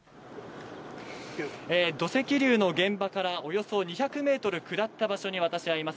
土石流の現場からおよそ２００メートル下った場所に私はいます。